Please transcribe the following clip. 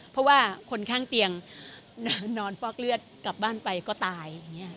เพราะว่าคนข้างเตียงนอนฟอกเลือดกลับบ้านไปก็ตายอย่างนี้